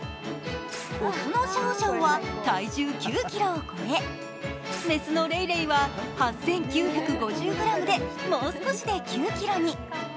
雄のシャオシャオは体重９ｋｇを超え雌のレイレイは８９５０ｇで、もう少しで９ｋｇに。